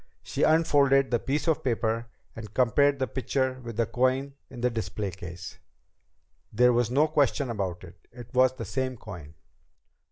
She unfolded the piece of paper and compared the picture with the coin in the display case. There was no question about it. It was the same coin!